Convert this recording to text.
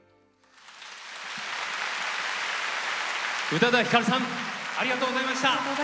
宇多田ヒカルさんありがとうございました。